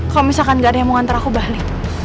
kalau misalkan gak ada yang mau nganter aku balik